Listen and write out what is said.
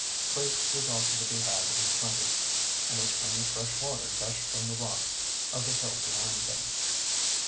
Fruit was also to be had in plenty, and a spring of fresh water gushed from the rocks of the hill behind them.